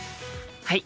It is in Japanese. はい。